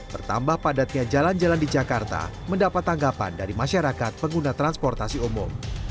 bertambah padatnya jalan jalan di jakarta mendapat tanggapan dari masyarakat pengguna transportasi umum